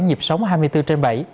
nhịp sống hai mươi bốn trên bảy